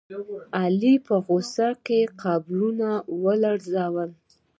علي په غوسه کې قبرونه ولړزول.